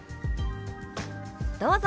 どうぞ。